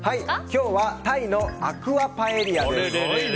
今日は鯛のアクアパエリアです。